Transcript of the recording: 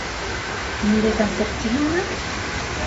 Ниндәй концерт, тиһеңме?